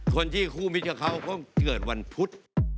คนที่คู่มิตรกับเขาก็เกิดวันพุธ